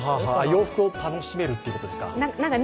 洋服を楽しめるということですか？